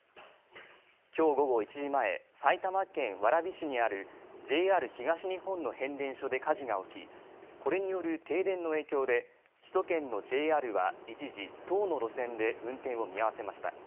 きょう午後１時前、埼玉県蕨市にあるＪＲ東日本の変電所で火事が起きこれによる停電の影響で首都圏のＪＲは一時、１０の路線で運転を見合わせました。